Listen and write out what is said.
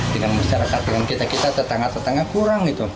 dengan masyarakat dengan kita kita tetangga tetangga kurang gitu